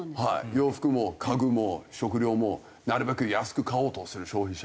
洋服も家具も食料もなるべく安く買おうとする消費者が多くて。